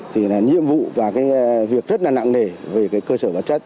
thì nhiệm vụ và việc rất là nặng nể về cơ sở vật chất